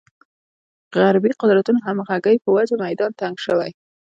غربې قدرتونو همغږۍ په وجه میدان تنګ شوی.